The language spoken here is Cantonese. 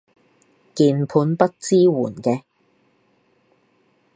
鍵盤不支援嘅